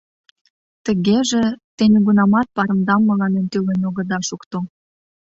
Тыгеже... те нигунамат парымдам мыланем тӱлен огыда шукто.